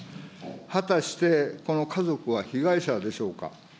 果たしてこの家族は被害者でしょうか。